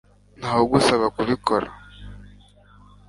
ntawe ugusaba kubikora